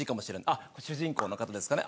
あっ主人公の方ですかね？